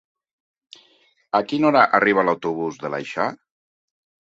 A quina hora arriba l'autobús de l'Aleixar?